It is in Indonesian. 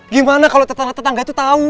gimana kalo tetangga tetangga tuh tau